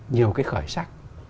nhiều cái khởi sắc